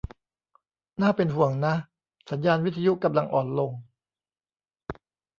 น่าเป็นห่วงนะ สัญญาณวิทยุกำลังอ่อนลง